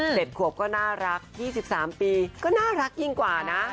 เสร็จขวบก็น่ารัก๒๓ปีก็น่ารักยิ่งกว่านะ